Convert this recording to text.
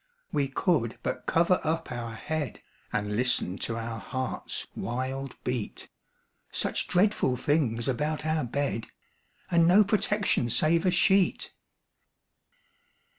We could but cover up our head, And listen to our heart's wild beat Such dreadful things about our bed, And no protection save a sheet!